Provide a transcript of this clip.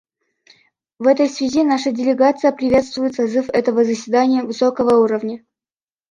В этой связи наша делегация приветствует созыв этого заседания высокого уровня.